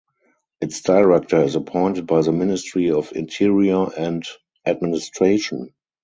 Its director is appointed by the Ministry of Interior and Administration.